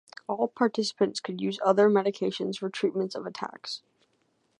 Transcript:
All participants could use other medications for treatment of attacks.